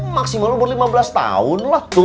maksimal umur lima belas tahun lah